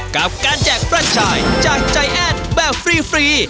กับการแจกประชายจากจ่ายแอดแบบฟรี